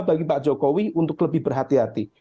bagi pak jokowi untuk lebih berhati hati